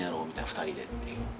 ２人でっていう。